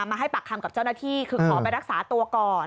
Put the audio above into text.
มาให้ปากคำกับเจ้าหน้าที่คือขอไปรักษาตัวก่อน